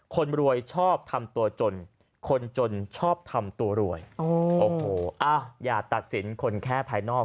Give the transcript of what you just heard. คนรวยชอบทำตัวจนคนจนชอบทำตัวรวยโอ้โหอ้าวอย่าตัดสินคนแค่ภายนอก